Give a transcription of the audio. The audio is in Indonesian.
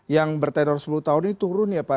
yang bertenor sepuluh tahun ini turun ya pak